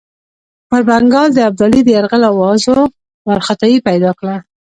پر بنګال د ابدالي د یرغل آوازو وارخطایي پیدا کړه.